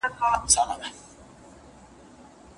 د نورو احترام د انسان ژوند څنګه تخريبولای سي؟